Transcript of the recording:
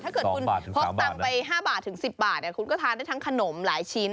ถ้าเกิดคุณพกตังค์ไป๕บาทถึง๑๐บาทคุณก็ทานได้ทั้งขนมหลายชิ้น